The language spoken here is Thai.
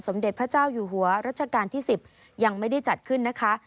เด็จพระเจ้าอยู่หัวรัชกาลที่๑๐ยังไม่ได้จัดขึ้นนะคะ